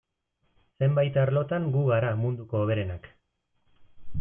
Zenbait arlotan gu gara munduko hoberenak.